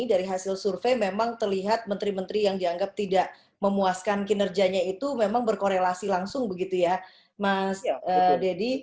dari hasil survei memang terlihat menteri menteri yang dianggap tidak memuaskan kinerjanya itu memang berkorelasi langsung begitu ya mas deddy